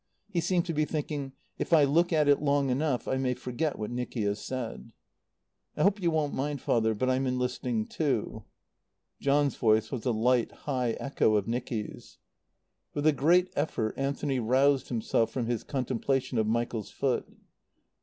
He seemed to be thinking: "If I look at it long enough I may forget what Nicky has said." "I hope you won't mind, Father; but I'm enlisting too." John's voice was a light, high echo of Nicky's. With a great effort Anthony roused himself from his contemplation of Michael's foot.